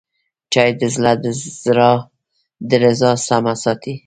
چای د زړه درزا سمه ساتي